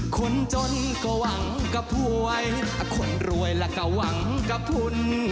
คนจนก็หวังกับถวยคนรวยแล้วก็หวังกับทุน